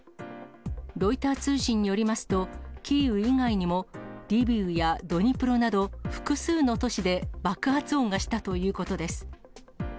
ロイター通信によりますと、キーウ以外にもリビウやドニプロなど、複数の都市で爆発音がしたということです。